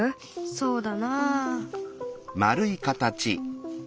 そうだなあ。